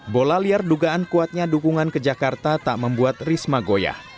bola liar dugaan kuatnya dukungan ke jakarta tak membuat risma goyah